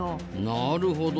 なるほど。